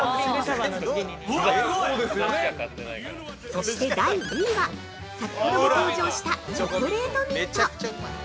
◆そして第２位は先ほども登場したチョコレートミント。